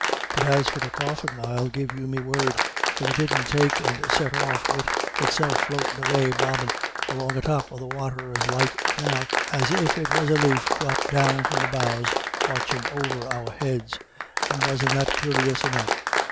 But as for the coffin, I'll give you me word if it didn't take and set off wid itself floatin' away bobbin' along atop of the wather as light now, as if it was a lafe dhropped down from the boughs archin' over our heads and wasn't that cur'ous enough?